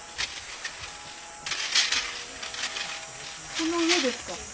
この上ですか？